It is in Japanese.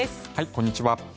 こんにちは。